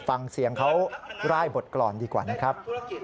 ฟังเสียงเขาร่ายบทกรอนดีกว่านะครับ